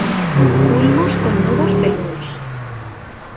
Culmos con nudos peludos.